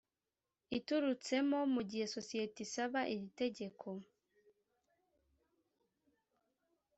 iturutsemo mu gihe sosiyete isaba iritegeko